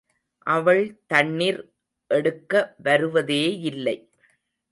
அவள் தண்ணிர் எடுக்க வருவதேயில்லை.